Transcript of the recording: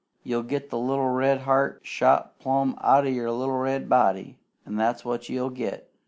You'll get the little red heart shot plumb outen your little red body, an' that's what you'll get.